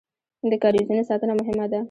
د کاریزونو ساتنه مهمه ده